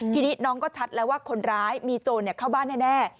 ทีนี้น้องก็ชัดแล้วว่าคนร้ายมีโจรเข้าบ้านแน่